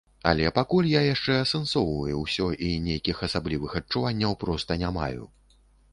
Але пакуль я яшчэ асэнсоўваю ўсё і нейкіх асаблівых адчуванняў проста не маю.